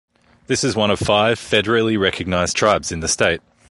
This is one of five federally recognized tribes in the state.